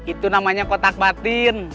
itu namanya kotak batin